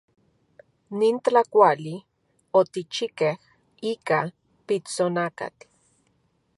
Nin tlakuali otikchijkej ika pitsonakatl.